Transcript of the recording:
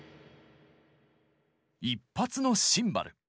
１発のシンバル。